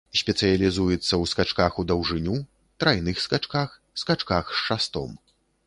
Спецыялізуецца ў скачках у даўжыню, трайных скачках, скачках з шастом.